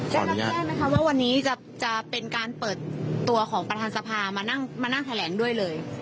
ได้รับแจ้งนะคะว่าวันนี้จะเป็นการเปิดตัวของประธานสภามานั่งแถลงด้วยเลย